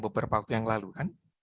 beberapa waktu yang lalu kan